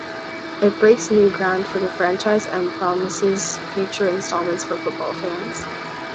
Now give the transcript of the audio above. It breaks new ground for the franchise and promises future installments for football fans.